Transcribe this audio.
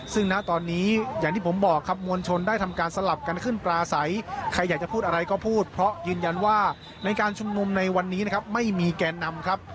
ซึ่งณตอนนี้อย่างที่ผมบอกครับมวลชนได้ทำการสลับกันขึ้นปลาใสใครอยากจะพูดอะไรก็พูดเพราะยืนยันว่าในการชุมนุมในวันนี้นะครับไม่มีแกนนำครับ